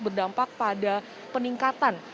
berdampak pada peningkatan